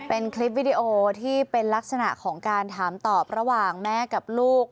เป็นคลิปวิดีโอที่เป็นลักษณะของการถามตอบระหว่างแม่กับลูก